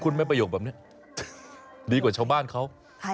คุณไหมประโยคแบบนี้ดีกว่าชาวบ้านเขา